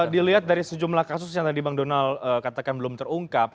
dilihat dari sejumlah kasus yang tadi bang donal katakan belum terungkap